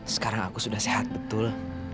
sekarang aku sudah sehat betul